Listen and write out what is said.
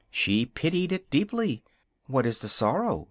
She pitied it deeply: "what is its sorrow?"